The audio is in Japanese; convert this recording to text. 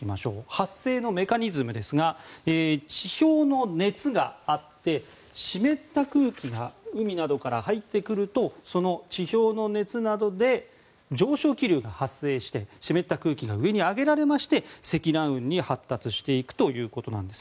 発生のメカニズムですが地表の熱があって湿った空気が海などから入ってくるとその地表の熱などで上昇気流が発生して湿った空気が上に上げられまして積乱雲に発達していくということです。